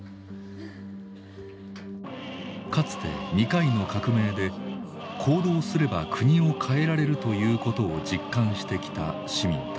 かつて２回の革命で行動すれば国を変えられるということを実感してきた市民たち。